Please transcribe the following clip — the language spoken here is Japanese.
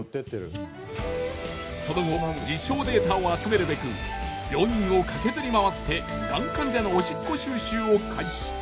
その後実証データを集めるべく病院を駆けずり回ってがん患者のオシッコ収集を開始。